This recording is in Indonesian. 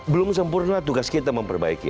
belum sempurna tugas kita memperbaiki